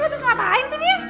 lepas ngapain sih dia